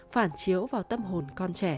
phản chiếu vào tâm hồn con trẻ